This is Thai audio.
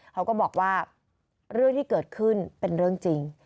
เขาก็บอกว่าเรื่องที่เกิดขึ้นเป็นเรื่องจริง